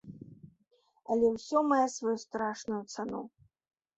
Але ўсё мае сваю страшную цану.